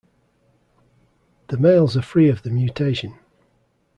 The males are free of the mutation.